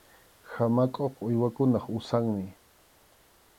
Hamakʼuqa uywakunap usanmi.